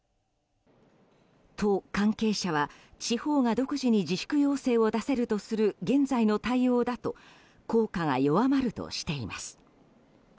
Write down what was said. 都関係者は、地方が独自に自粛要請を出せるとする現在の対応だと効果が弱まるとしています。